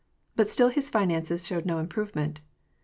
But still his finances showed no improvement.